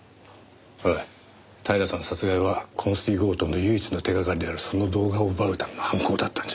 おい平さん殺害は昏睡強盗の唯一の手掛かりであるその動画を奪うための犯行だったんじゃ。